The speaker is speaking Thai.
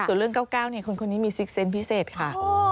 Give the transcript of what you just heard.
ส่วนเรื่อง๙๙คนนี้มีซิกเซนต์พิเศษค่ะ